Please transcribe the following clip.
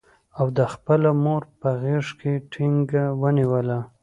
او ده خپله مور په غېږ کې ټینګه ونیوله.